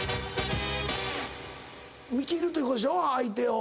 見切るということでしょ相手を。